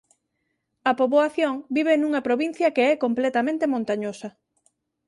A poboación vive nunha provincia que é completamente montañosa.